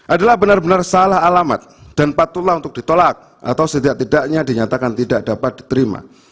adalah benar benar salah alamat dan patuhlah untuk ditolak atau setidak tidaknya dinyatakan tidak dapat diterima